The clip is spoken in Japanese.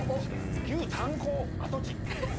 旧炭鉱跡地。